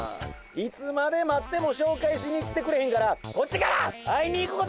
いつまで待ってもしょうかいしに来てくれへんからこっちから会いに行くことにしたわ！